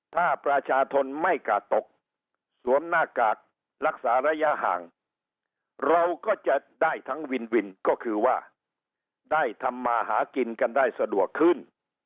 ถ้าประชาชนไม่กาดตกสวมหน้ากากรักษาระยะห่างเราก็จะได้ทั้งวินวินก็คือว่าได้ทำมาหากินกันได้สะดวกขึ้น